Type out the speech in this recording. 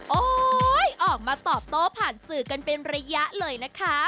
โอ้โหออกมาตอบโต้ผ่านสื่อกันเป็นระยะเลยนะคะ